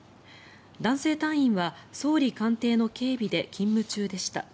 男性隊員は総理官邸の警備で勤務中でした。